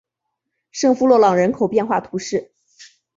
圣夫洛朗人口变化图示